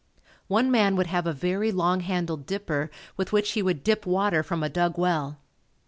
One man would have a very long handled dipper with which he would dip water from a dug well.